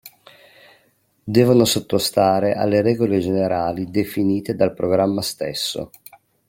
Devono sottostare alle regole generali definite dal programma stesso.